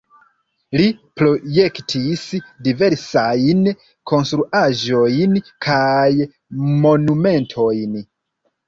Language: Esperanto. Li projektis diversajn konstruaĵojn kaj monumentojn.